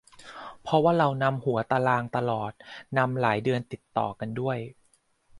เพราะว่าเรานำหัวตารางตลอด นำหลายเดือนติดต่อกันด้วย